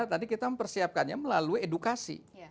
tadi kita mempersiapkannya melalui edukasi